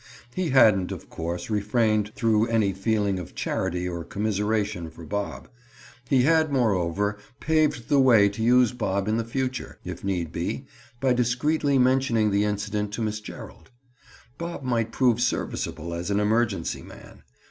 He hadn't, of course, refrained through any feeling of charity or commiseration for Bob. He had, moreover, paved the way to use Bob in the future, if need be, by discreetly mentioning the incident to Miss Gerald. Bob might prove serviceable as an emergency man.